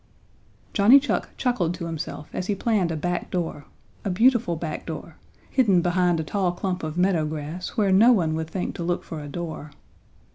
Johnny Chuck chuckled to himself as he planned a back door, a beautiful back door, hidden behind a tall clump of meadow grass where no one would think to look for a door.